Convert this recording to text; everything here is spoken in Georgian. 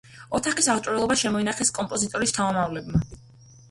ოთახის აღჭურვილობა შემოინახეს კომპოზიტორის შთამომავლებმა.